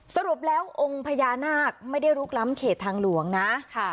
สรุปแล้วองค์พญานาคไม่ได้ลุกล้ำเขตทางหลวงนะค่ะ